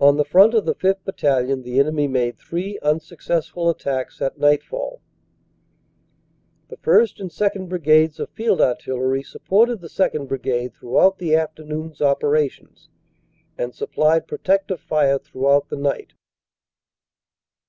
On the front of the 5th. Battalion the enemy made three unsuccessful attacks at nightfall. u The 1st. and 2nd. Brigades of field artillery supported the 2nd. Brigade throughout the afternoon s operations, and sup plied protective fire throughout the night.